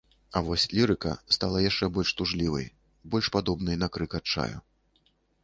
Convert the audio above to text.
А вось лірыка стала яшчэ больш тужлівай, больш падобнай на крык адчаю.